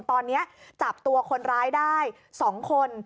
ตอนนี้จับตัวคนร้ายได้๒คน